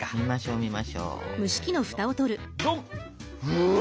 うわ！